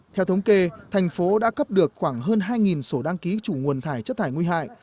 theo thống kê thành phố đã cấp được khoảng hơn hai sổ đăng ký chủ nguồn thải chất thải nguy hại